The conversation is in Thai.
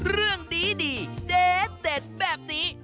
เรื่องดีเด็ดแบบนี้